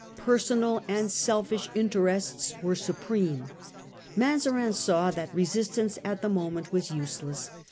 Personal and selfish in terests were supreme. Mazarin saw that resistance at the moment was useless.